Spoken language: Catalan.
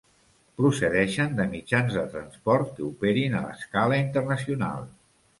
Procedeixen de mitjans de transport que operin a escala internacional.